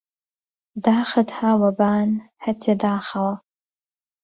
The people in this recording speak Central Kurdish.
داخت ها وه بان ههچێ داخهوه